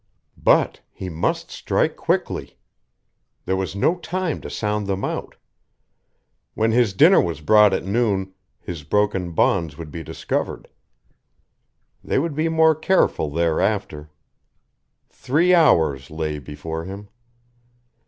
But he must strike quickly. There was no time to sound them out. When his dinner was brought at noon, his broken bonds would be discovered. They would be more careful thereafter. Three hours lay before him....